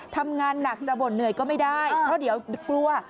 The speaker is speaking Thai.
ทำงานหนักจะบ่นเหนื่อยก็ไม่ได้เพราะเดี๋ยวกลัว